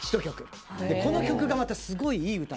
この曲がまたすごいいい歌で。